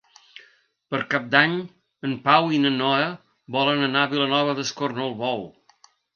Per Cap d'Any en Pau i na Noa volen anar a Vilanova d'Escornalbou.